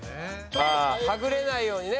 はぐれないようにね？